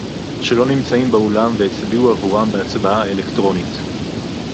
שלא נמצאים באולם והצביעו עבורם בהצבעה האלקטרונית